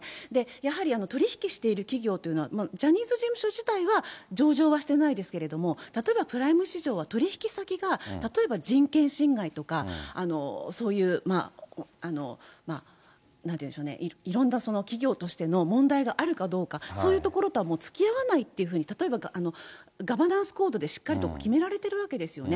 やはり取り引きしている企業というのは、ジャニーズ事務所自体は上場はしてないですけれども、例えば、プライム市場は、取り引き先が例えば人権侵害とか、そういうまあ、なんていうんでしょうね、いろんなその企業としての問題があるかどうか、そういうところとはもうつきあわないっていうふうに例えば、ガバナンスコードで、しっかりと決められてるわけですよね。